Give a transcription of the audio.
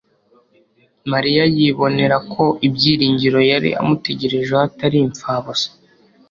Mariya yibonera ko ibyiringiro yari amutegerejeho atari imfabusa.